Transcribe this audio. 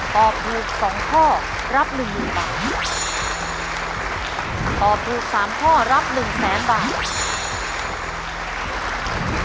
ถ้าตอบถูก๓ข้อรับ๑๐๐๐๐๐๐บาท